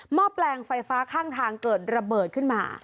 แปลงไฟฟ้าข้างทางเกิดระเบิดขึ้นมา